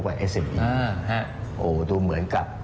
โอ้ดูเหมือนกับ